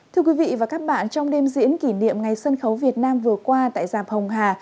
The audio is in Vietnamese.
thưa quý vị và các bạn trong đêm diễn kỷ niệm ngày sân khấu việt nam vừa qua tại dạp hồng hà